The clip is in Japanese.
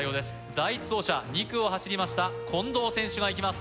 第１走者２区を走りました近藤選手がいきます